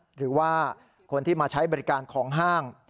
หรือว่าคนที่มาใช้บริการของห้าง